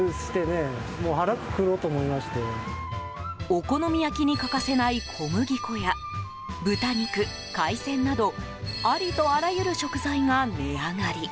お好み焼きに欠かせない小麦粉や豚肉、海鮮などありとあらゆる食材が値上がり。